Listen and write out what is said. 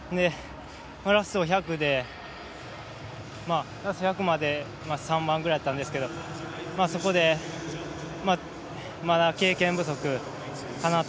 ラスト１００まで３番ぐらいだったんですけどそこで、まだ経験不足かなと。